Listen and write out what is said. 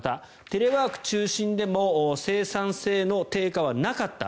テレワーク中心でも生産性の低下はなかった。